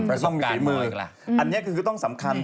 อันนี้ก็ต้องสำคัญ